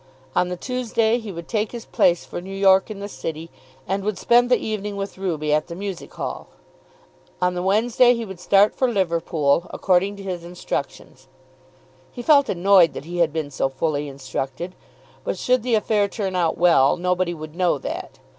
On the Tuesday he would take his place for New York in the City, and would spend the evening with Ruby at the Music Hall. On the Wednesday, he would start for Liverpool, according to his instructions. He felt annoyed that he had been so fully instructed. But should the affair turn out well nobody would know that.